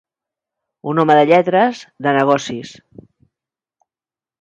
Un home de lletres, de negocis.